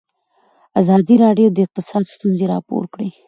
ازادي راډیو د اقتصاد ستونزې راپور کړي.